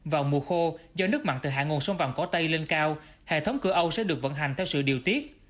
vào mùa khô do nước mặn từ hạ nguồn sông vàng cỏ tây lên cao hệ thống cửa âu sẽ được vận hành theo sự điều tiết